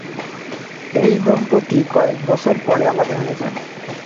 এই দম্পতি কয়েক বছর পরে আলাদা হয়ে যান।